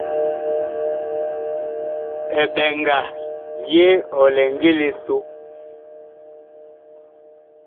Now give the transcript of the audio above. Eɓɛnga ye ɔ lɛ ngili so.